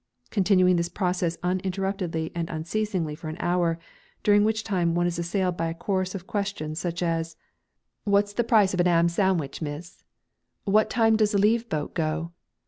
Continuing this process uninterruptedly and unceasingly for an hour, during which time one is assailed by a chorus of questions such as "What's the price of a 'am sandwich, Miss?" "What time does the leave boat go?"